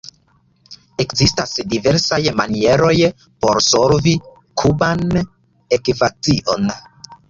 Ekzistas diversaj manieroj por solvi kuban ekvacion.